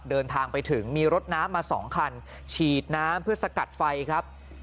เดินทางไปถึงมีรถน้ำมา๒คันฉีดน้ำเพื่อสกัดไฟครับ